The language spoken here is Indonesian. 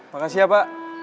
makasih ya pak